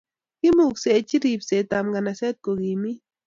kimuksenchin ripset ab nganaset kokimiit